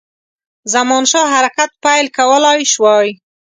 زمانشاه حرکت پیل کولای شوای.